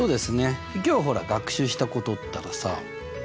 今日ほら学習したことったらさ